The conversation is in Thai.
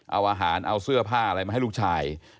เอาอาหารเอาเสื้อผ้าอะไรมาให้ลูกชาย